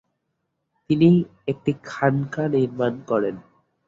তিনি একটি খানকা নির্মাণ করেন।